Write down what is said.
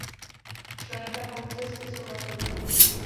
Členka Obce spisovatelů.